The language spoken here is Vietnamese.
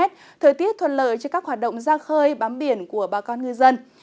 thời tiết thuận lợi cho các hoạt động ra khơi bám biển của bà con ngư dân